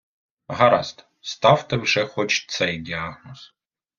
Гаразд, ставте вже хоч цей діагноз.